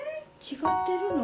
違ってるの？